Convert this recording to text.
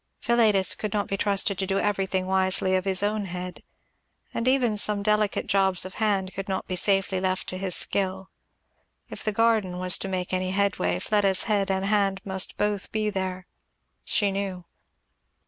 Philetus could not be trusted to do everything wisely of his own head, and even some delicate jobs of hand could not be safely left to his skill; if the garden was to make any headway Fleda's head and hand must both be there, she knew.